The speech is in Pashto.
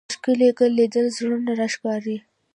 د ښکلي ګل لیدل زړونه راښکاري